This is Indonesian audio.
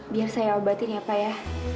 biar saya obatin ya pak ya